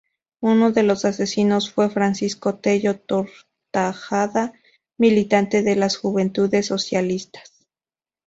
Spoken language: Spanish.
Uno de los asesinos fue Francisco Tello Tortajada, militante de las Juventudes Socialistas.